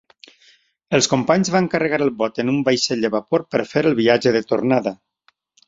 Els companys van carregar el bot en un vaixell de vapor per fer el viatge de tornada.